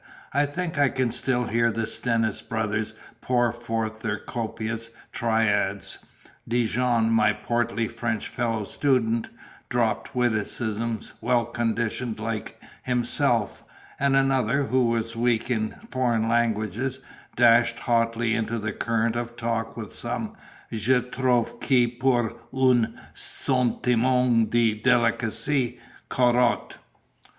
I think I can still hear the Stennis brothers pour forth their copious tirades; Dijon, my portly French fellow student, drop witticisms well conditioned like himself; and another (who was weak in foreign languages) dash hotly into the current of talk with some "Je trove que pore oon sontimong de delicacy, Corot ...